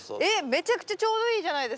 めちゃくちゃちょうどいいじゃないですか。